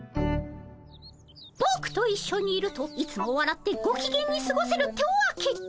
ぼくと一緒にいるといつもわらってごきげんにすごせるってわけ。